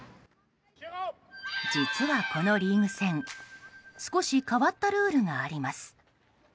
実は、このリーグ戦少し変わったルールがあります。